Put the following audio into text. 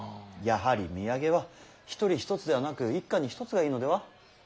やはり土産は一人一つではなく一家に一つがいいのでは？